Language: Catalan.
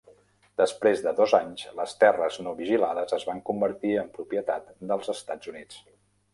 Després de dos anys, les terres no vigilades es van convertir en propietat dels Estats Units.